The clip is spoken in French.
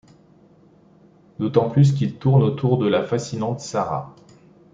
D'autant plus qu'il tourne autour de la fascinante Sarah...